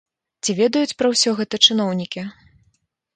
Ці ведаюць пра ўсё гэта чыноўнікі?